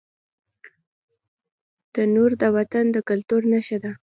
تنور د وطن د کلتور نښه ده